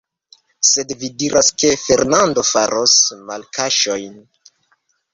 Sed vi diras, ke Fernando faros malkaŝojn.